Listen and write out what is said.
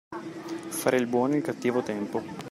Fare il buono e il cattivo tempo.